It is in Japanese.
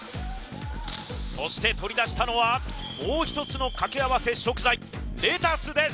そして取り出したのはもう一つの掛け合わせ食材レタスです